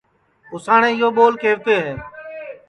اُساٹؔے یو ٻول کَیوتے ہے